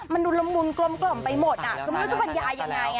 มันดูละมุนกลมไปหมดอ่ะฉันไม่รู้ตัวปัญญาอย่างไรอ่ะ